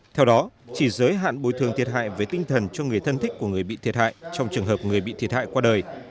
theo đó chỉ giới hạn bồi thường thiệt hại về tinh thần cho người thân thích của người bị thiệt hại trong trường hợp người bị thiệt hại qua đời